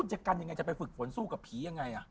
จะกันยังไงจะไปฝึกฝนสู้กับผียังไง